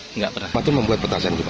enggak pernah membuat petasan juga